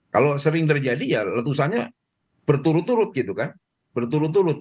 kalau sering terjadi letusannya berturut turut